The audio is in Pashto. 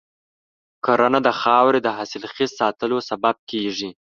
کرنه د خاورې د حاصلخیز ساتلو سبب کېږي.